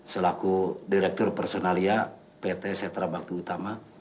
selaku direktur personalia pt setra waktu utama